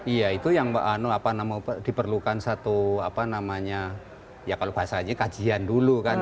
iya itu yang diperlukan satu apa namanya ya kalau bahasanya kajian dulu kan